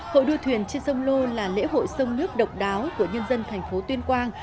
hội đua thuyền trên sông lô là lễ hội sông nước độc đáo của nhân dân thành phố tuyên quang